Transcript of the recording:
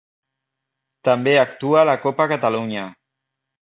També actua a la Copa Catalunya.